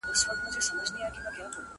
په یو ترڅ کي یې ترې وکړله پوښتنه!!